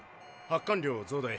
発汗量増大。